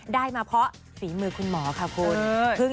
ได้มาเพราะฝีมือคุณหมอค่ะคุณ